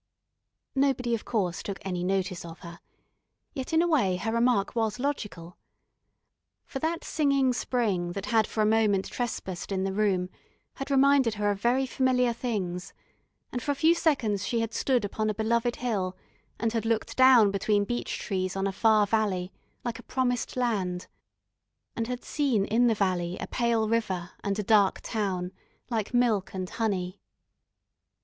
Nobody of course took any notice of her, yet in a way her remark was logical. For that singing Spring that had for a moment trespassed in the room had reminded her of very familiar things, and for a few seconds she had stood upon a beloved hill, and had looked down between beech trees on a far valley, like a promised land; and had seen in the valley a pale river and a dark town, like milk and honey.